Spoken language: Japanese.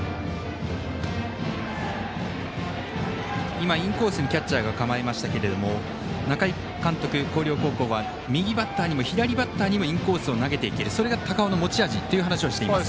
今、インコースにキャッチャーは構えましたが中井監督、広陵高校は右バッターにも左バッターにもインコースを投げていけるそれが高尾の持ち味と話していました。